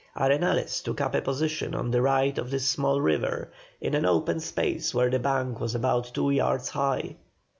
Arenales took up a position on the right of this small river, in an open space where the bank was about two yards high.